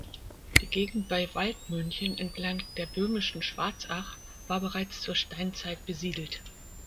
Die Gegend bei Waldmünchen entlang der Böhmischen Schwarzach war bereits zur Steinzeit besiedelt.